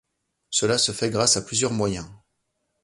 Cela se fait grâce à plusieurs moyens.